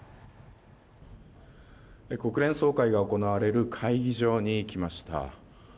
国連総会が行われる会議場に来ました。